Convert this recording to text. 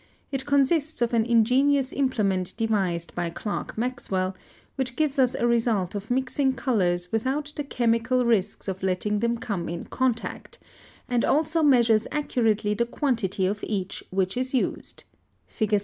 It consists of an ingenious implement devised by Clerk Maxwell, which gives us a result of mixing colors without the chemical risks of letting them come in contact, and also measures accurately the quantity of each which is used (Fig.